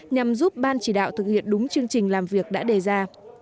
nhằm giúp ban chỉ đạo thực hiện đúng chương trình làm việc đã đề ra